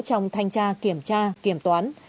trong thanh tra kiểm tra kiểm toán